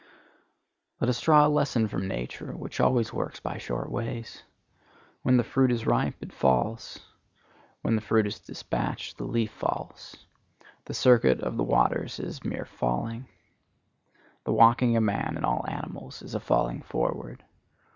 Let us draw a lesson from nature, which always works by short ways. When the fruit is ripe, it falls. When the fruit is despatched, the leaf falls. The circuit of the waters is mere falling. The walking of man and all animals is a falling forward.